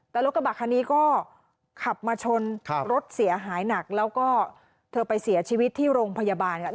แต่รถกระบะคันนี้ก็ขับมาชนครับรถเสียหายหนักแล้วก็เธอไปเสียชีวิตที่โรงพยาบาลเนี่ย